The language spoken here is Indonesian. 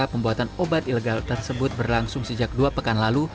pembuatan obat ilegal tersebut berlangsung sejak dua pekan lalu